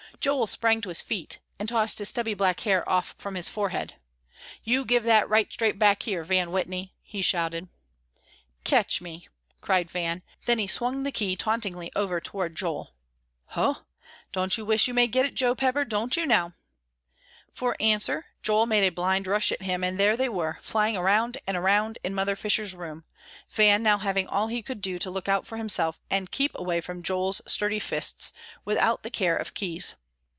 Joel sprang to his feet and tossed his stubby black hair off from his forehead, "You give that right straight back here, Van Whitney!" he shouted. "Catch me!" cried Van. Then he swung the key tauntingly over toward Joel. "Hoh, don't you wish you may get it, Joe Pepper, don't you, now?" For answer Joel made a blind rush at him, and there they were, flying around and around in Mother Fisher's room, Van now having all he could do to look out for himself and keep away from Joel's sturdy fists, without the care of keys.